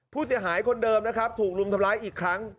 ผู้เสียหายคนเดิมนะครับถูกรุมทำร้ายอีกครั้ง